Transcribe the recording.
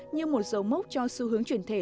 như một dấu mốc cho xu hướng truyền thể